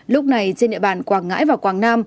lúc này trên địa bàn quảng ngãi và quảng nam